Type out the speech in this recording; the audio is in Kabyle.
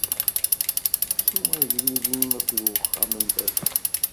Ttu agdud-im akked uxxam n Baba-m.